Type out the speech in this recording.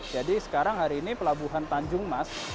sekarang hari ini pelabuhan tanjung mas